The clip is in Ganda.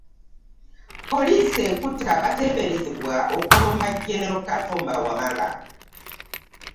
Poliisi ekutte abateeberezebwa okulumba genero Katumba Wamala